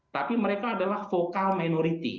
tapi mereka adalah vokal minority